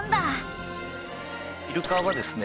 イルカはですね